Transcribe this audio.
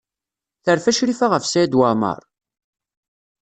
Terfa Crifa ɣef Saɛid Waɛmaṛ?